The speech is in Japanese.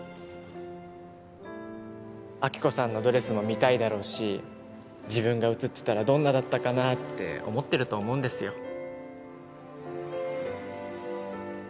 亜希子さんのドレスも見たいだろうし自分が写ってたらどんなだったかなーって思ってると思うんですよ